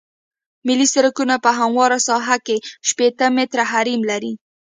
ملي سرکونه په همواره ساحه کې شپیته متره حریم لري